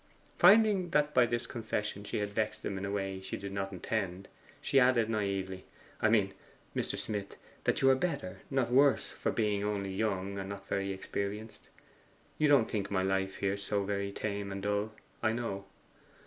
Finding that by this confession she had vexed him in a way she did not intend, she added naively, 'I mean, Mr. Smith, that you are better, not worse, for being only young and not very experienced. You don't think my life here so very tame and dull, I know.